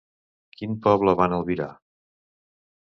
Quin poble van albirar?